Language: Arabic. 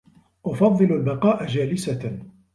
أفضّل البقاء جالسة.